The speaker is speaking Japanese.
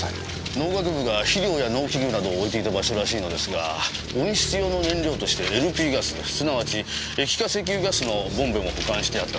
農学部が肥料や農機具などを置いていた場所らしいのですが温室用の燃料としてＬＰガスすなわち液化石油ガスのボンベも保管してあったそうです。